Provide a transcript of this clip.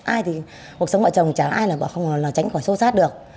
ai thì cuộc sống vợ chồng chẳng ai là vợ không là tránh khỏi xô xát được